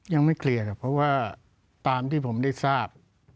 ยังไม่เคลียร์ครับเพราะว่าตามที่ผมได้ทราบ